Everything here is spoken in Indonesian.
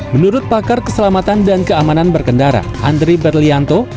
menurut pakar keselamatan dan keamanan berkendara andri berlianto